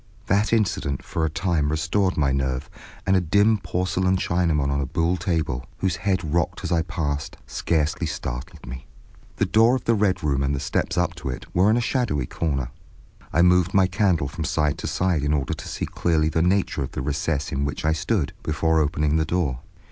That incident for a time restored my nerve, and a dim porcelain Chinaman on a buhl table, whose head rocked as I passed, scarcely startled me. The door of the Red Room and the steps up to it were in a shadowy corner. I moved my candle from side to side in order to see clearly the nature of the recess in which I stood, before opening the door.